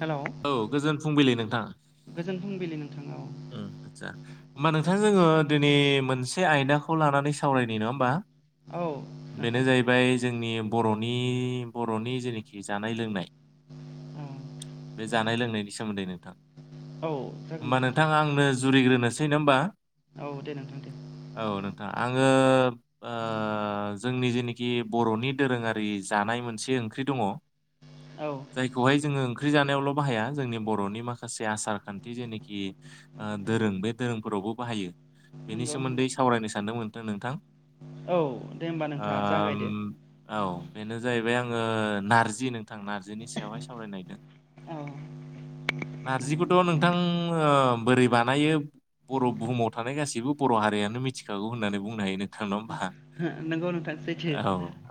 Hello औ गोजोन फुंबिलि नोंथां। गोजोन फुंबिलि नोंथां औ उम आतसा होमबा नोंथां जोङो दिनै मोनसे आयदाखौ लानानै सावरायनि नङा होमबा? औ नोंथां बेनो जाहैबाय जोंनि बर'नि बर'नि जेनोखि जानाय लोंनाय। औ बे जानाय लोंनायनि सोमोन्दै नों औ जागोन दे नोंथां। आंनो जुरिग्रोनोसै नङा होमबा! औ दे नोंथां दे औ नोंथाङा आङो ओ जोंनि जेनोखि बर'नि दोरोङारि जानाय मोनसे ओंख्रि दङ'। औ जायखौहाय जोङो ओं ओंख्रि जानायावल' बाहाया जोंनि बर'नि माखासे आसार खान्थि जेनिखि ओ दोरों बे दोरोंफोरावबो बाहायो बेनि नंगौ सोमोन्दै नंगौ सावरायनो सानदोंमोन नोंथां। औ दे होमबा ओ नोंथाङा जागायदो औ बेनो जाहैबाय आं ओ नारजि नोंथां नारजिनि सायावहाय सावरायनो नागिरदों। औ नारजिखौथ' नोंथां ओ बोरै बानायो? बर' बुहुमाव थानाय गासिबो बर' हारियानो मिथिखागौ होननानै बुंनो हायो नोंथां नङा होमबा? नंगौ नोंथां सैथो औ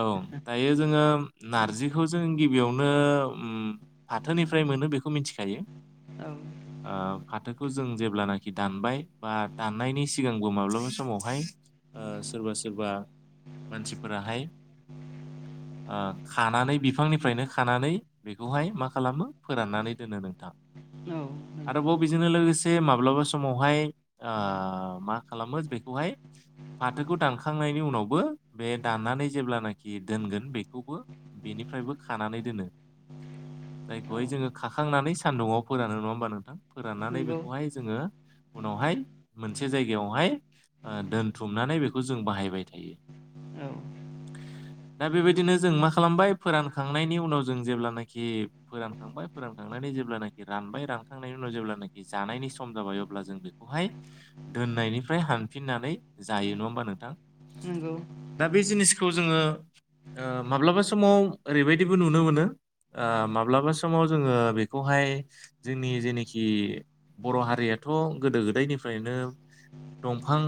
औ दायो जोङो नारजिखौ जों गिबियावनो उम फाथोनिफ्राय मोनो बेखौ मिथिखायो। औ‌। ओ फाथो खौ जों जेब्लानाखि दानबाय बा दाननायनि सिगांबो माब्लाबा समावहाय ओ सोरबा सोरबा मानसिफोराहाय [inaudible] ओ खानानै बिफांनिफ्रायनो खानानै बेखौहाय मा खालामो फोराननानै दोनो नोंथां। औ नंगौ आरोबाव बिजोंनो लोगोस लोगोसे माब्लाबा समावहाय ओ मा खालामो बेखौहाय फाथोखौ दानखांनायनि उनावबो बे दाननानै जेब्लानोखि दोनगोन बेखौबो बे निफ्रायबो खानानै दोनो। [inaudible] औ जायखौहाय जोङो खाखांनानै सान्दुङाव फोरानो नङा होमबा नोंथां फोराननानै बे नंगौ खौहाय जोङो उनावहाय मोनसे जायगायावहाय ओ दोनथुमनानै बेखौ जों बाहायबाय थायो। औ दा बेबायदिनो जों मा खालामबाय फोरानखांनायनि उनाव जों जेब्लानोखि फोरानखांबाय फोरानखांना नै जेब्लानोखि रानबाय रानखांनायनि उनाव जेब्लानोखि जानायनि सम जाबाय अब्ला जों बेखौहाय दोननायनिफ्राय हानफिननानै जायो नङा होमबा नोंथां? नंगौ। दा औ बे जिनिसखौ जोङो ओ माब्लाबा समाव ओरैबायदिबो नुनो मोनो ओ माब्लाबा समाव जोङो बेखौहाय जोंनि जेनोखि बर' हारियाथ' गोदो-गोदायनिफ्रायनो दंफां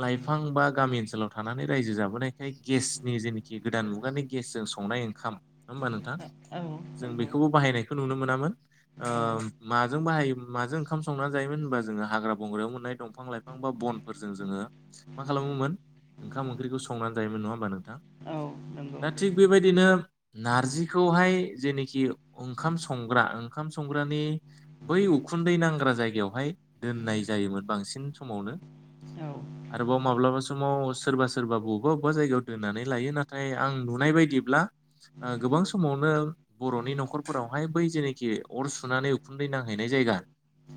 लाइफां बा गामि ओनसोलाव थानानै रायजो जाबोनायखाय गेसनि जेनोखि गोदा दान मुगानि गेसजों संनाय ओंखाम नङा होमबा नोंथां। औ जों नंगौ बेखौबो बाहायनायखौ नुनो मोनामोन ओ औ माजों बाहायो माजों ओंखाम संना जायोमोन होनबा जोङो हाग्रा बंग्रायाव मोननाय दंफां लाइफां बा बनफोरजों जोङो मा खालामोमोन ओंखाम ओंख्रिखौ संनानै जायोमोन नङा होमबा नोंथां? औ नंगौ दा थिग बेबायदिनो नारजिखौहाय जेनोखि ओंखाम संग्रा ओं खाम संग्रानि बै उखुन्दै नां फग्रा जायगायावहाय दोननाय जायोमोन बांसिन समावनो। औ आरोबाव माब्लाबा समाव सोरबा सोरबा बबेबा बबेबा जायगायाव दोननानै लायो नाथाय आं नुनाय बाय दिब्ला ओ गोबां समावनो बर'नि न'खरफोरावहाय बै जेनोखि अर सुनानै उखुन्दै नांहैनाय जायगा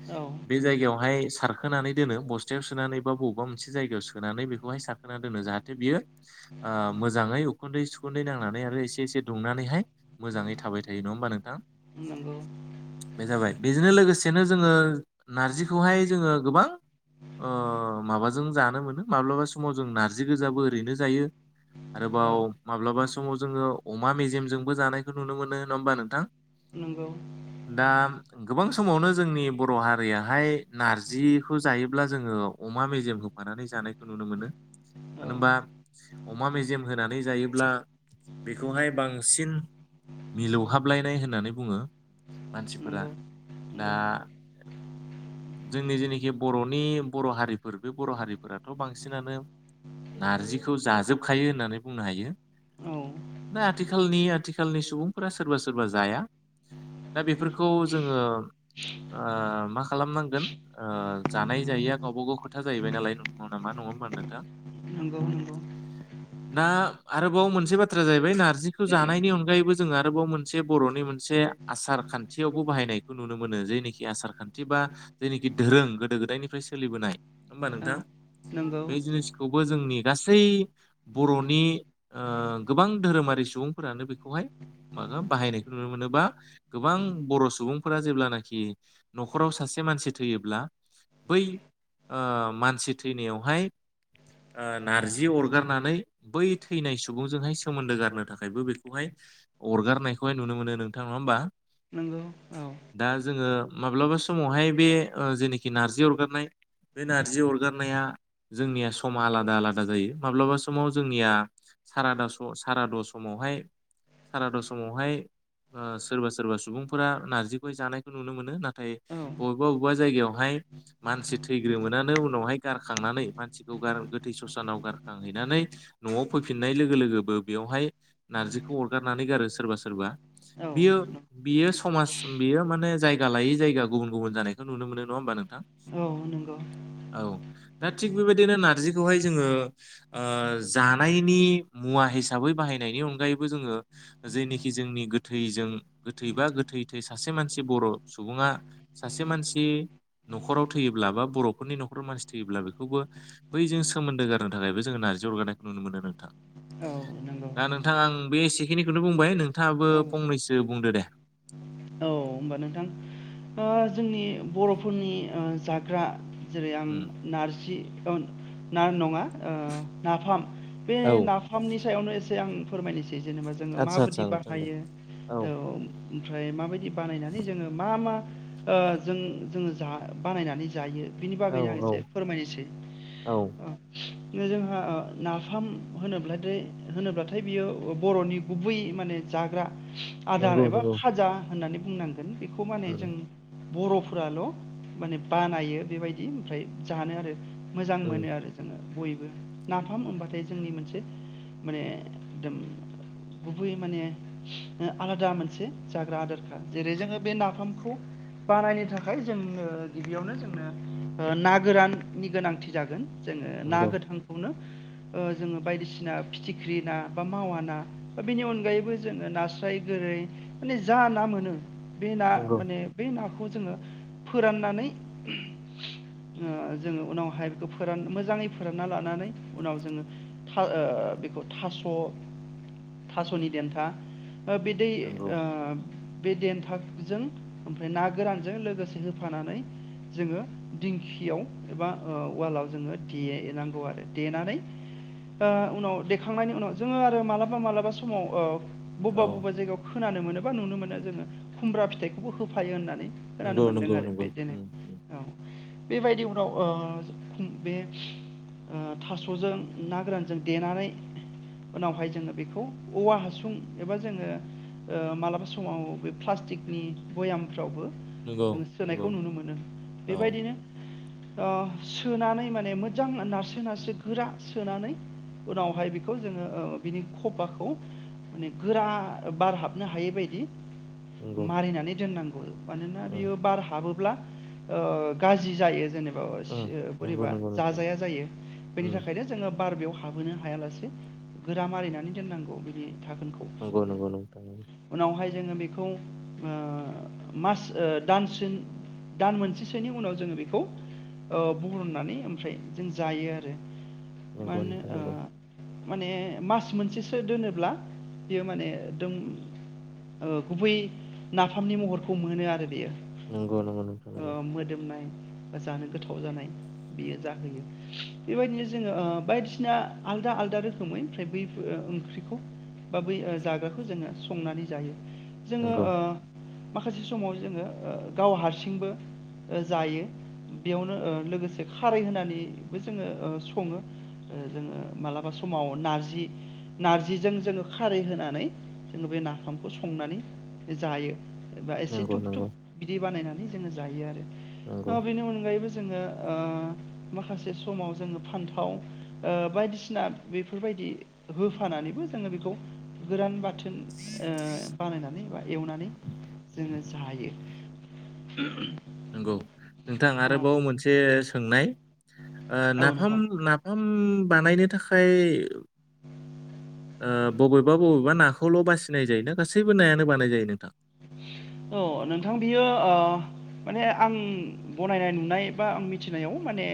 औ। बे जायगायावहाय सारखोनानै दोनो बस्थायाव सोनानै बा बबेबा मोनसे जायगायाव सोनानै बेखौहाय सारखोना दोनो। जाहाथे बियो ओ मोजाङै उखुन्दै सुखुन्दै नांनानै आरो एसे एसे दुंनानैहाय मोजाङै थाबाय थायो नङा होमबा नोंथां। नंगौ। औ बे जाबाय। बेजोंनो लोगोसेनो जोङो नारजिखौहाय जोङो गोबां अ माबाजों जानो मोनो माब्लाबा समाव जों नार्जि गोजाबो ओरैनो जायो। नंगौ औ आरोबाव माब्लाबा समाव जोङो अमा मेजेमजोंबो जानायखौ नुनो मोनो नङा होमबा नोंथां। नंगौ। दा गोबां समावनो जोंनि बर' हारियाहाय नारजिखौ जायोब्ला जोंङो अमा मेजेम होफानानै जानायखौ नु नो मोनो। मानो होमबा अमा मेजेम होनानै जायोब्ला बेखौहाय बांसिन मिलौहाबलायनाय होननानै बुङो मानसिफोरा दा। जोंनि जेनाखि बर'नि बर' हारिफोर बे बर' हारिफोराथ' बांसिनानो नारजिखौ जाजोबखायो होननानै बुंनो हायो। औ दा आथिखालनि आथिखालनि सुबुंफोरा सोरबा सोरबा जाया। दा बेफोरखौ जोंङो ओ मा खालामनांगोन ओ जानाय जायिआ गावबा गाव खोथा जाहैबाय नालाय नंगौ नामा? नङा होमबा नोंथां? नंगौ नंगौ। ना आरोबाव मोनसे बाथ्रा जाहैबाय नार्जि खौ जानायनि अनगायैबो जों आरोबाव मोनसे बर'नि मोनसे आसार खान्थियावबो बाहायनायखौ नु नो मोनो जेनिखि आसार खान्थि बा जेनोखि धोरों गोदो गोदायनिफ्राय सोलिबोनाय होमबा औ नोंथां नंगौ बे जिनिसखौबो जोंनि गासै बर'नि ओ गोबां धोरोमारि सुबुंफोरानो बेखौहाय माबा बाहायनायखौ नुनो मोनोबा गोबां बर' सुबुं फोरा जेब्लानाखि न'खराव सासे मानसि थैयोब्ला बै मानसि थैनायावहाय नारजि अरगारनानै बै थैनाय सुबुंजोंहाय सोमोन्दो गारनो थाखायबो बेखौहाय। अरगारनायखौहाय नुनो मोनो नोंथां नंङा होमबा। नंगौ औ। दा जोंङो माब्लाबा समावहाय बे जेनाखि नारजि अरगारनाय बे नारजि अरगारनाया जोंनिया समा आलादा आलादा जायो माब्लाबा समाव जोंनिया साराद साराद' समावहाय। साराद समावहाय सोरबा सोरबा सुबुंफोरा नारजि जानायखौ नुनो मोनो नाथाय औ बबेबा बबेबा जायगायावहाय। मानसि थैग्रोमोनानो उनावहाय गारखांनानै मानसिखौ गोथै ससानाव गारखांहैनानै न'आव फैफिननाय लोगो लोगोबो बेयावहाय नारजिखौ अरगारनानै गारो सोरबा सोरबा औ बियो बियो समाज बेयो मान जाया लायै जायगा गुबुन गुबुन जानायखौुनो मोन नङा होमबा नों नंगौ औ। दा थिग बेबायदिनो नारजिखौहाय जोङो जानायनि मुवा हिसाबै बाहाय थैनायनि अनगायैबो जोंङो जेनिखि जोंनि गोथैजों गोथै बा गोथै थै सासे मानसि बर' सुबुङा सासे मानसि। न'खराव थैयोब्ला बा बर'फोरनि न'खराव मानसि थैयोब्ला बेखौबो बैजों सोमोन्दो गारनो थाखायबो जों न' जौगानायखौ नुनो मोनो नोंथां औ नंगौ। बेसेखिनिखौनो बुंबाय नोंथाङाबो औ औ फंनैसो बुंदो दे औ होमबा नोंथां जोंनि बर'फोरनि जाग्रा जेरै आं उम नारजि ना नङा नाफाम बे औ नाफामनि सायावनो एसे आं फोरमायनोसै। जेनेबा जो आदसा आदसा माय नोंथां दे बाहायो औ औ माबाय बानायनानै जोंङो मा मा जों जोंङो बानायनानै जायो। बिनि औ बागैनो आं औ एसे फोरमायनोसै। औ जोंहा नाफाम होनोब्लाथाय होनोब्लाथाय बियो बर'नि गुबै माने जाग्रा आदार नंगौ एबा नंगौ खाजा होननानै बुंनांगोन बेखौ माने उम जों बर'फोराल' माने बानायो बेबायदि ओमफ्राय जानो आरो मोजां उम मोनो आरो जोंङो बयबो नाफाम होनोमबाथाय जोंनि मोनसे माने एकदम गुबै माने आलादा मोनसे जाग्रा आदार जेरै जोङो बे नाफामखौ बानायनो थाखाय जोङो गिबियावनो जोंनो ना गोराननि गोनांथि जागोन। जोङो ना नंगौ गोथांखौनो जोङो बायदिसिना फिथिख्रि ना बा मावा ना बा बेनि अनगायैबो जोङो नास्राय गोरै माने जा ना मोनो बे ना नंगौ माने बे नाखौ जोंङो फोरनानै जोङो उनावहाय फोरान मोजाङै फोरानना लानानै उनाव जोङो। बेखौ थास' थास'नि देन्था। बिदै नंगौ ओ बे देन्थजों ओमफ्राय ना गोरानजों लोगोसे होफानानै जोङो दिंखियाव एबा ओ- उवालाव जोङो देनांगौ आरो देनानै उनाव देखांनायनि उनाव जोङो आरो मालाबा मालाबा समाव औ बबेबा बबेबा जायगायाव खोनानो मोनोब बा नुनो मोनो जोंङो खुमब्रा फिथाइखौबो होफायो होननानै फोरानो नंगौ मोनदों नंगौ आरो नंगौ बेदिनो उम उम औ। बेबायदि उनाव बे ओ थास'जों ना गोरानजों देनानै उनावहाय जोङो बेखौ औवा हासुं एबा जोङो मालाबा समाव, बे प्लास्टिकनि भयामफ्रावबो। जो नंगौ सोनायखौ नंगौ नुनो मोनो। औ बेबायदिनो ओ सोनानै माने मोजां नारस्रो नारस्रो गोरा सोनानै उनावहाय बेखौ जोङो ओ बिनि खफाखौ माने गोरा बार हाबनो हायै बादि नंगौ मारिनानै दोननांगौ मानोना उम बियो बार हाबो ब्ला ओ गाज्रि जायो जेब उम नंगौ बोरैबा नंगौ नोंथां जाजाया जायो बेनि उम थाखायनो जोंङो बार बेयाव हाबहोनो हायालासे गोरा मारिनानै दोननांगौ बिदि। थागोनखौ नंगौ नंगौ नोंथां उनावहाय सिफुं ओ मास दानसिम दान मोनसेसोनि उनाव जोंङो बेखौ ओ बुरननानै ओमफ्राय जों जायो आरो मा नंगौ होनो नोंथां ओ माने मास मोनसेसो दोनोब्ला बियो माने दों ओ गुबै नाफामनि महरखौ मोनो आरो बेयो। नंगौ नांगौ ओ नंगौ। मोदोमनाय बा जानो गोथाव जानाय बेयो जाहोयो बेबायदिनो जोङो बायदिसिना आलदा आलदा रोखोमै ओमफ्राय बैफोर। ओंख्रिखौ बा बै जाग्राखौ जोङो संनानै जायो। जोङो नंगौ ओ माखासे समाव जोङो गाव हारसिंबो जायो बेयावनो ओ लोगोसे खारै होनानैबो ओ जोंङो सङो जोंङो मालाबा समाव नारजि नारजिजों जोङो खारै होनानै जोङो बे नाफामखौ संनानै। जायो बा एसे नंगौ धुप बा नंगौ बिदि बानायनानै जोङो जायो आरो नंगौ ओ बेनो अनगायैबो जो जोंङो ओ माखासे समाव फानथाव ओ बायसिफोरबाय होफानानैबो जोंङो बेखौ गोरान बाथोन बानाय नांगौ एवनानै जोंङो जायो। नंगौ। नोंथां औ आरोबाव मोनसे सोंनाय औ नाफाम नोंथां नाफाम बानायनो थाखाय। ओ बबेबा बबेबा नाखौल' बासिनाय जायोना गासैबो नायानो बानाय जायो नोंथां? औ नोंथां बियो आ माने आं बनायनाय नुनाय बा आं मिथिनायाव माने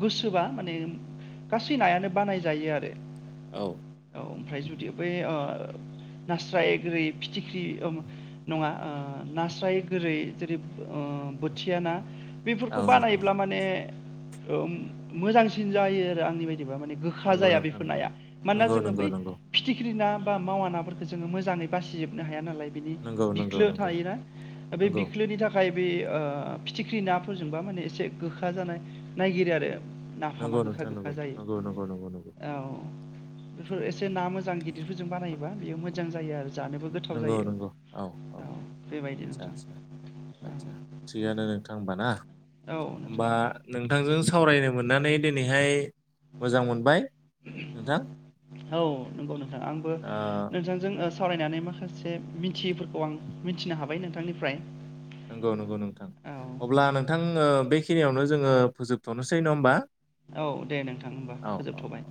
गोसोबा माने गासै नायानो बानायजायो आरो औ औ ओमफ्राय जुदि बै ओ नास्राय गोरै फिथिख्रि ओ नङा ओ नास्राय गोरै जेरै ओ बोथिया ना औ बेफोरखौ नोंथां बानायोब्ला माने ओ मोजांसिन जायो आरो आंनि बाय जेनेबा माने गोखा नंगौ जाया नोंथां बेफोर नंगौ नाया मानोना नंगौ जोङो बै नंगौ फिथिख्रि ना बा मावा नाफोरखौ जोङो मोजांङै बासिजोबनो हाया नालाय बिनि नंगौ नंगौ बिख्लो नंगौ नंगौ थायोना बे नंगौ बिख्लोनि थाखाय बे ओ फिथिख्रि नाफोरजोंबा माने एसे गोखा जानो नायागिरो आरो। नाफामा नंगौ नोंथां गोखा-गोखा नंगौ जायो नंगौ नंगौ नंगौ औ। बेफोर एसे ना मोजां गिदिरफोरजों बानायोबा बेयो मोजां जायो आरो जानोबो नंगौ गोथाव जायो। नंगौ औ बेबायदि नोंथां। आतसा थिगानो नोंथां होमबा ना औ नोंथां होमबा नोंथांजों सावरायनो मोन्ना नै दिनैहाय मोजां मोनबाय। नोंथां औ नंगौ नोंथां आंबो ओ नोंथांजों ओ ण सावरायनानै माखासे मिथियैफोरखौ आं मिथिनो हाबाय नोंथांनिफ्राय। नंगौ नंगौ नोंथां औ अब्ला नोंथां ओ बेखिनियावनो जोङो फोजोबथ'नोसै नङा होमबा? औ दे नोंथां होमबा औ औ फोजोबथ'बाय।